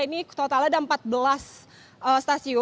ini total ada empat belas stasiun